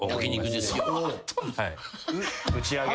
打ち上げ？